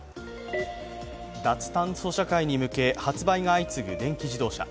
脱炭素社会に向け、発売が相次ぐ電気自動車。